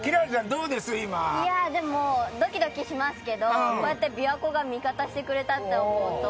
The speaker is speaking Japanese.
いやでも、どきどきしますけど、こうやってびわ湖が味方してくれたって思うと。